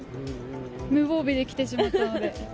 無防備で来てしまったので。